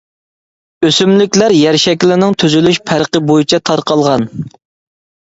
ئۆسۈملۈكلەر يەر شەكلىنىڭ تۈزۈلۈش پەرقى بويىچە تارقالغان.